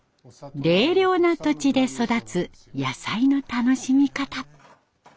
冷涼な土地で育つ野菜の楽しみ方。